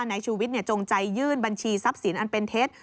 นายชูวิทย์จงใจยื่นบัญชีทรัพย์สินอันเป็นเท็จ